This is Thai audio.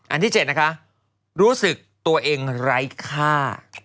อันที่๗นะคะรู้สึกตัวเองไร้ค่า